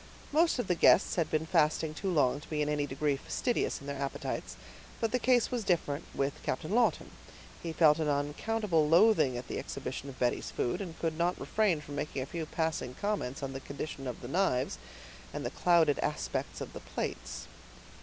Most of the guests had been fasting too long to be in any degree fastidious in their appetites; but the case was different with Captain Lawton; he felt an unaccountable loathing at the exhibition of Betty's food, and could not refrain from making a few passing comments on the condition of the knives, and the clouded aspect of the plates.